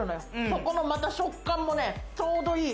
そこもまた、食感もね、ちょうどいい。